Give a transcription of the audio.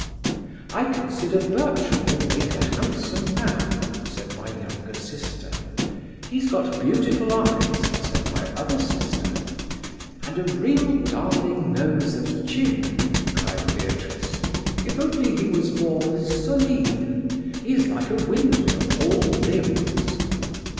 "'I consider Bertram will make a handsome man,' said my younger sister. "'He's got beautiful eyes,' said my other sister. "'And a real darling nose and chin!' cried Beatrice. 'If only he was more solide! He is like a windmill, all limbs.